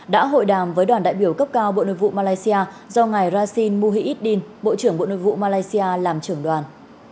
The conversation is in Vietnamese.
đã hội đàm với đoàn đại biểu cấp cao bộ nội vụ malaysia do ngài brazil muhiddin bộ trưởng bộ nội vụ malaysia làm trưởng đoàn